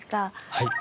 はい。